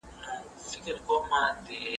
انتقادي فکر د زده کوونکو لپاره ولي مهم دی؟